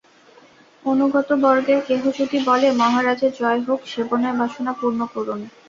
অনুগতবর্গের কেহ যদি বলে, মহারাজের জয় হউক, সেবকের বাসনা পূর্ণ করুন।